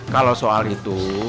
kalau soal itu